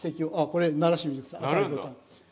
これ鳴らしてみて下さい。